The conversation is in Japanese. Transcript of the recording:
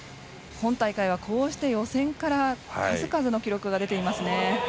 今大会はこうして予選から数々の記録が出ていますね。